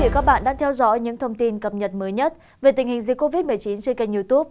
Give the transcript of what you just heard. các bạn đang theo dõi những thông tin cập nhật mới nhất về tình hình dịch covid một mươi chín trên kênh youtube